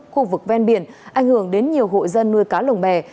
khu vực ven biển ảnh hưởng đến nhiều hộ dân nuôi cá lồng bè